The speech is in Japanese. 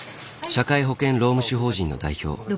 社会保険労務士法人の代表。